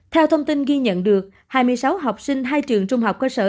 theo thông tin ghi nhận được hai mươi sáu học sinh hai trường trung học cơ sở